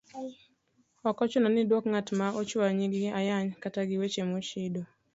Ok ochuno ni idwok ng'at ma ochwanyi gi ayany kata weche mochido,